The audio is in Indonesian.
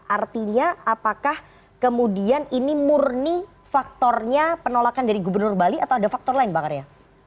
artinya apakah kemudian ini murni faktornya penolakan dari gubernur bali atau ada faktor lain bang arya